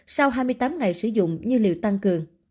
sau hai mươi tám ngày sử dụng như liều tăng cường